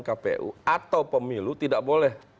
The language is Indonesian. kpu atau pemilu tidak boleh